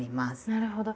なるほど。